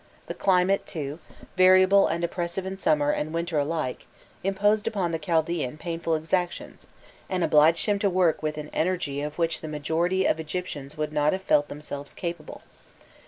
The climate, too, variable and oppressive in summer and winter alike, imposed upon the Chaldaean painful exactions, and obliged him to work with an energy of which the majority of Egyptians would not have felt themselves capable.